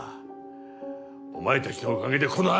お前たちのおかげでこの有り様だ！